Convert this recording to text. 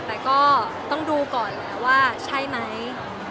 แต่ก็ต้องดูก่อนแหละว่าใช่ไหม